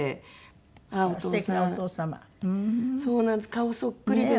顔そっくりでね。